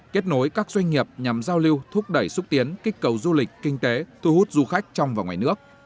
kết nối các doanh nghiệp nhằm giao lưu thúc đẩy xúc tiến kích cầu du lịch kinh tế thu hút du khách trong và ngoài nước